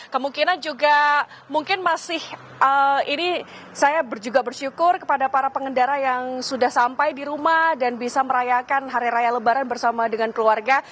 kemungkinan juga mungkin masih ini saya juga bersyukur kepada para pengendara yang sudah sampai di rumah dan bisa merayakan hari raya lebaran bersama dengan keluarga